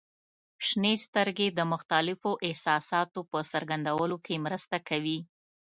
• شنې سترګې د مختلفو احساساتو په څرګندولو کې مرسته کوي.